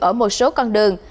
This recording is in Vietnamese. ở một số con đường